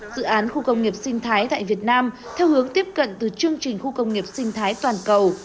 dự án khu công nghiệp sinh thái tại việt nam theo hướng tiếp cận từ chương trình khu công nghiệp sinh thái toàn cầu